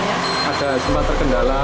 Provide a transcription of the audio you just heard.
ada sempat terkendala